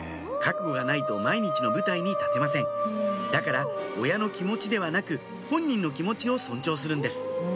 覚悟がないと毎日の舞台に立てませんだから親の気持ちではなく本人の気持ちを尊重するんです